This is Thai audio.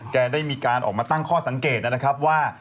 ได้มีการออกมาตั้งข้อสังเกตนะครับว่า